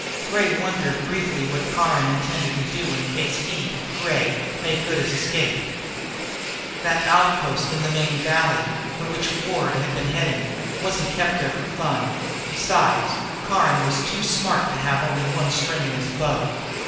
Gray wondered briefly what Caron intended to do in case he, Gray, made good his escape. That outpost in the main valley, for which Ward had been heading, wasn't kept for fun. Besides, Caron was too smart to have only one string to his bow.